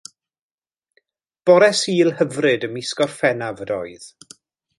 Bore Sul hyfryd ym mis Gorffennaf ydoedd.